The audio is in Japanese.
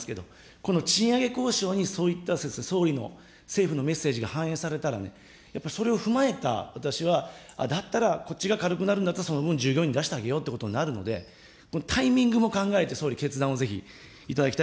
この賃上げ交渉にそういった総理の政府のメッセージが反映されたらね、やっぱりそれを踏まえた、私は、だったら、こっちが軽くなるんだったら、その分、従業員に出してあげようということになるので、タイミングも考えて、総理、決断をぜひいただきたい。